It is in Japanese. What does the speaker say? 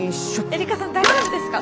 えりかさん大丈夫ですか？